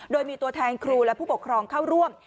โดยมีตัวแทนครูและผู้ปกครองเข้าร่วม